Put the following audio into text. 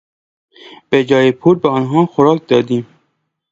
بهجای پول به آنها خوراک دادیم.